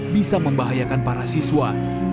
bisa membahayakan para siswa